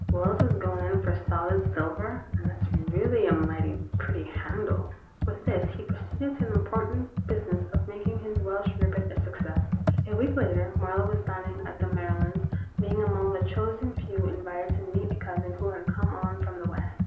Wells is going in for solid silver, and that's really a mighty pretty handle." With this he proceeded to the important business of making his Welsh rarebit a success. A week later Marlowe was dining at the Mary lands', being among the chosen few invited to meet a cousin who had come on from the West.